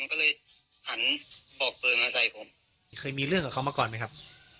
ก็เลยหันบอกปืนมาใส่ผมเคยมีเรื่องกับเขามาก่อนไหมครับ